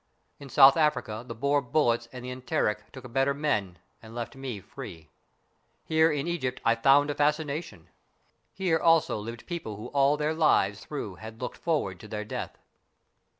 In South Africa the Boer bullets and the enteric took better men and left me free. Here in Egypt I found a fascination. Here also 86 STORIES IN GREY lived people who all their lives through had looked forward to their death.